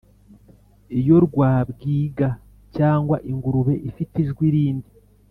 Iyo rwabwiga cyangwa ingurube ifite ijwi rindi,